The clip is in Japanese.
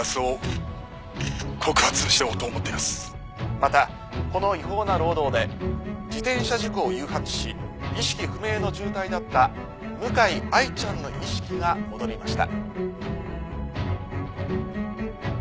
またこの違法な労働で自転車事故を誘発し意識不明の重体だった向井愛ちゃんの意識が戻りました。